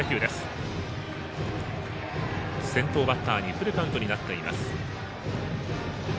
先頭バッターにフルカウントになっています。